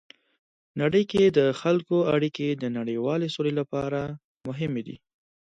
نړۍ کې د خلکو اړیکې د نړیوالې سولې لپاره مهمې دي.